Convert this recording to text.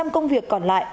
một công việc còn lại